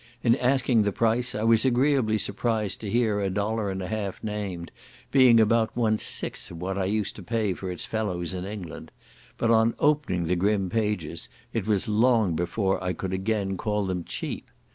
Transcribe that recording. In asking the price, I was agreeably surprised to hear a dollar and a half named, being about one sixth of what I used to pay for its fellows in England; but on opening the grim pages, it was long before I could again call them cheap.